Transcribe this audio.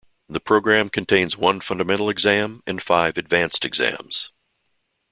The program contains one fundamental exam and five advanced exams.